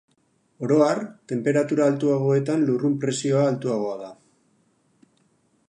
Oro har, tenperatura altuagoetan lurrun-presioa altuagoa da.